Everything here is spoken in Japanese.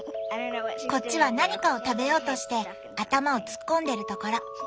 こっちは何かを食べようとして頭を突っ込んでるところ。